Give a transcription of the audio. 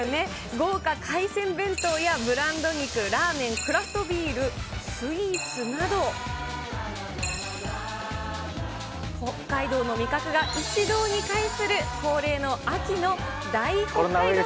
豪華海鮮弁当やブランド肉、ラーメン、クラフトビール、スイーツなど、北海道の味覚が一堂に会する恒例の秋の大北海道展。